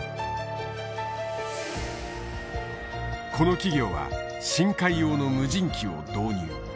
この企業は深海用の無人機を導入。